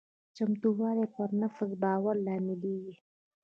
چمتووالی پر نفس د باور لامل کېږي.